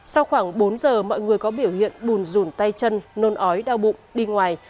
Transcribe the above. sau khoảng bốn giờ mọi người có biểu hiện bùn rùn tay chân nôn ói đau bụng đi ngoài